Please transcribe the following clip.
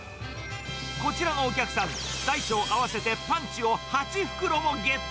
こちらのお客さん、大小合わせてパンチを８袋もゲット。